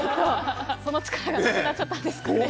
その力がなくなっちゃったんですかね。